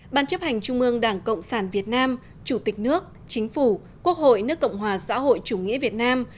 ban chấp hành trung ương đảng cộng sản việt nam chủ tịch nước chính phủ quốc hội nước cộng hòa xã hội chủ nghĩa việt nam